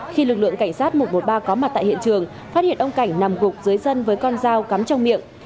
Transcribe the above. khi lực lượng cảnh sát một trăm một mươi ba có mặt tại hiện trường phát hiện ông cảnh nằm gục dưới dân với con dao cắm trong miệng